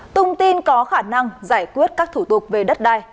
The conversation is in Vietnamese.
tung tin có khả năng giải quyết các thủ tục về đất đai